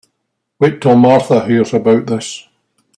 Wait till Martha hears about this.